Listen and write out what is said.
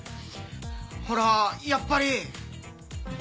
ほらやっぱり。